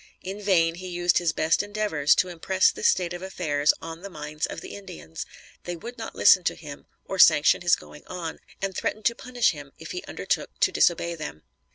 In vain he used his best endeavors to impress this state of affairs on the minds of the Indians. They would not listen to him or sanction his going on, and threatened to punish him if he undertook to disobey them.